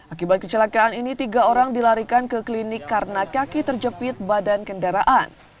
akibat kecelakaan ini tiga orang dilarikan ke klinik karena kaki terjepit badan kendaraan